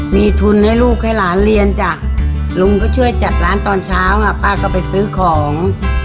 มีทุนให้ลูกให้หลานเรียนจ้ะลุงก็ช่วยจัดร้านตอนเช้าอ่ะป้าก็ไปซื้อของ